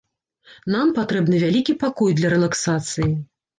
Нам патрэбны вялікі пакой для рэлаксацыі!